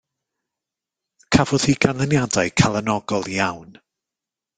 Cafodd hi ganlyniadau calonogol iawn.